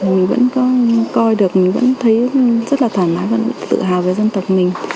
mình vẫn có coi được mình vẫn thấy rất là thoải mái và tự hào về dân tộc mình